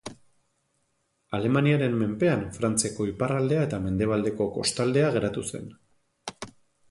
Alemaniaren menpean Frantziako iparraldea eta mendebaldeko kostaldea geratu zen.